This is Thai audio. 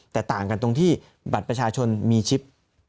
แต่ต่างกันตรงที่บัตรประชาชนมีชิป